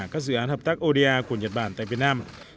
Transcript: các dự án hợp tác oda của nhật bản tại việt nam